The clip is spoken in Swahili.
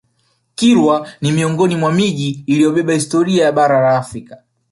Kilwa ni miongoni mwa miji iliyobeba historia ya Bara la Afrika